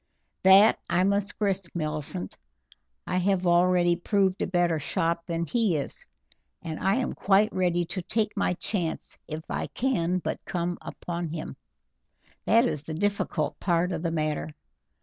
"That I must risk, Millicent. I have already proved a better shot than he is, and I am quite ready to take my chance if I can but come upon him; that is the difficult part of the matter.